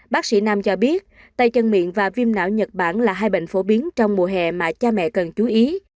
bác sĩ nam cho biết tay chân miệng và viêm não nhật bản là hai bệnh phổ biến trong mùa hè mà cha mẹ cần chú ý